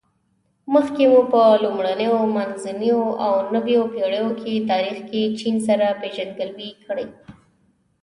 مخکې مو په لومړنیو، منځنیو او نویو پېړیو تاریخ کې چین سره پېژندګلوي کړې.